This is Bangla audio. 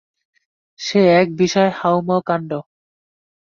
সে এক বিষম হাঁউমাউ কাণ্ড।